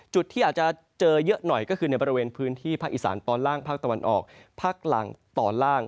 จุดที่อาจจะเจอเยอะหน่อยก็คือในบริเวณพื้นที่ภาคอีสานตอนล่างภาคตะวันออกภาคล่างตอนล่าง